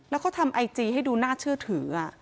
แล้วเขาทำไอจีให้ดูน่าเชื่อถือ